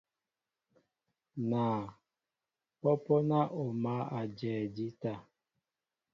Naa , pɔ́pɔ́ ná o mǎl ajɛɛ jíta.